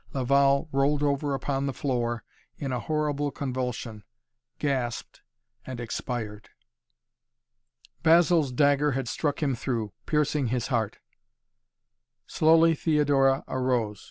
Laval rolled over upon the floor in a horrible convulsion, gasped and expired. Basil's dagger had struck him through, piercing his heart. Slowly Theodora arose.